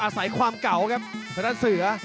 อาศัยความเก่าครับท่านท่านสื่อ